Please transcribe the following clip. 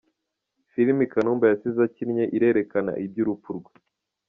Filimi Kanumba yasize akinnye irerekana iby’urupfu rwe